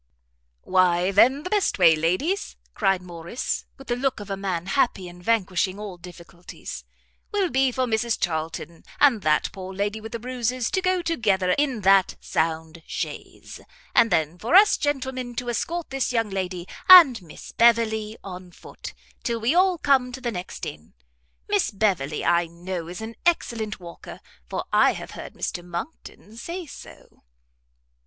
"Why then the best way, ladies," cried Morrice, with the look of a man happy in vanquishing all difficulties, "will be for Mrs Charlton, and that poor lady with the bruises, to go together in that sound chaise, and then for us gentlemen to escort this young lady and Miss Beverley on foot, till we all come to the next inn. Miss Beverley, I know, is an excellent walker, for I have heard Mr Monckton say so."